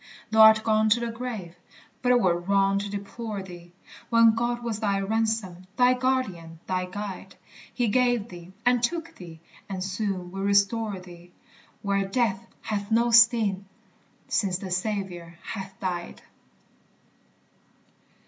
Thou art gone to the grave but 't were wrong to deplore thee, When God was thy ransom, thy guardian, thy guide; He gave thee, and took thee, and soon will restore thee, Where death hath no sting, since the Saviour hath died.